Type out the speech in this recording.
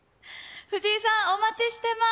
藤井さん、お待ちしてます。